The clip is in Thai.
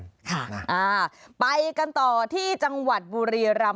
ค่ะไปกันต่อที่จังหวัดบุรีรัมป์